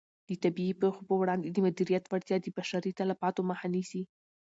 د طبیعي پېښو په وړاندې د مدیریت وړتیا د بشري تلفاتو مخه نیسي.